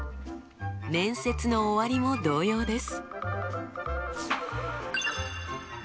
面接の終わりも同様です。